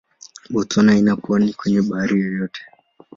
Botswana haina pwani kwenye bahari yoyote.